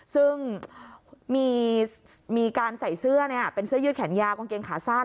ซึ่งมีการใส่เสื้อเป็นเสื้อยืดแขนยาวกางเกงขาสั้น